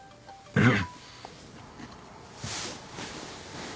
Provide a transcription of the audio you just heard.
うん。